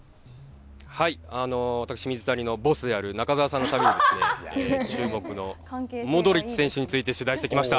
私、水谷のボスである中澤さんのために、注目のモドリッチ選手について取材してきました。